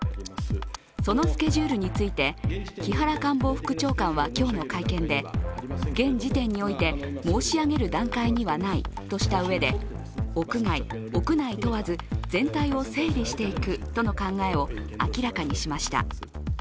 そのスケジュールについて木原官房副長官は今日の会見で現時点において申し上げる段階にはないとしたうえで屋外・屋内問わず全体を整理していくとの考えを明らかにしました。